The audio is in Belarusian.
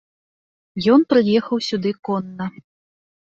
Ён прыехаў сюды конна.